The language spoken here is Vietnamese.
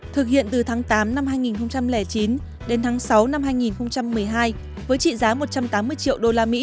thực hiện từ tháng tám năm hai nghìn chín đến tháng sáu năm hai nghìn một mươi hai với trị giá một trăm tám mươi triệu usd